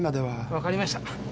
分かりました。